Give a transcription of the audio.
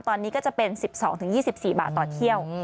ตอนนี้ก็จะเป็น๑๒๒๔บาทต่อเที่ยว